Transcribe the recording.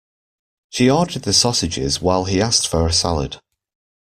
She ordered the sausages while he asked for a salad.